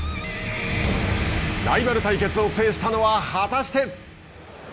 ライバル対決を制したのは果たして！？